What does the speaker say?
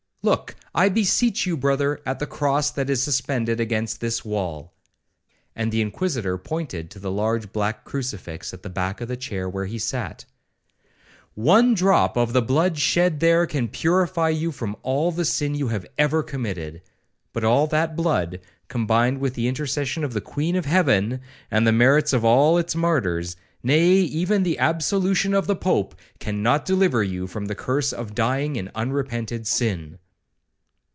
Look, I beseech you, brother, at the cross that is suspended against this wall,' and the Inquisitor pointed to the large black crucifix at the back of the chair where he sat; 'one drop of the blood shed there can purify you from all the sin you have ever committed; but all that blood, combined with the intercession of the Queen of Heaven, and the merits of all its martyrs, nay, even the absolution of the Pope, cannot deliver you from the curse of dying in unrepented sin.'